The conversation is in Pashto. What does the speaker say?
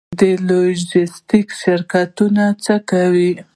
د لوژستیک شرکتونه څه کوي؟